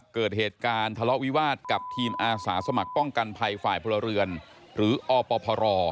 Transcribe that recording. เกิดเหตุการณ์ทะเลาะวิวาสกับทีมอาสาสมัครป้องกันภัยฝ่ายพลเรือนหรืออพร